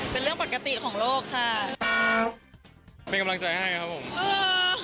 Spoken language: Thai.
เป็นเรื่องปกติของโลกค่ะครับเป็นกำลังใจให้ครับผมเออ